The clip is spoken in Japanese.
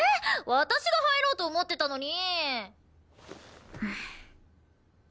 私が入ろうと思ってたのに！